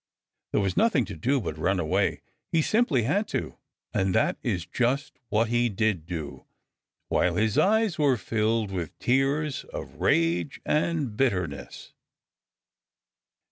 There was nothing to do but run away. He simply had to. And that is just what he did do, while his eyes were filled with tears of rage and bitterness.